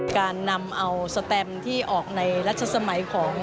การนำเอาสแตมที่ออกในรัชสมัยของ